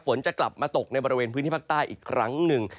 ฝนจะกลับมาตกในบริเวณพื้นที่ภาคใต้อีกครั้งหนึ่ง